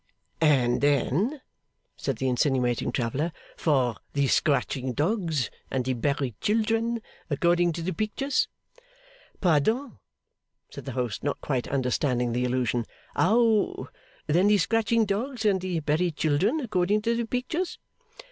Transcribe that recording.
'And then,' said the insinuating traveller, 'for the scratching dogs and the buried children, according to the pictures!' 'Pardon,' said the host, not quite understanding the allusion. 'How, then the scratching dogs and the buried children according to the pictures?